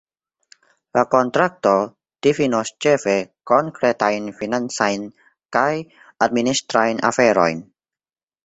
La kontrakto difinos ĉefe konkretajn financajn kaj administrajn aferojn.